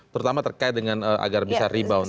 terutama terkait dengan agar bisa rebound